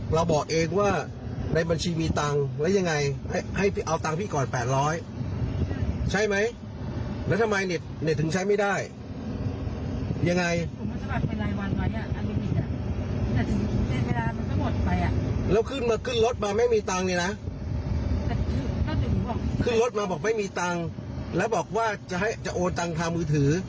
แล้วจะเอาตังค์พี่ก่อน๘๐๐บาท